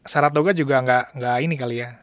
saratoga juga gak ini kali ya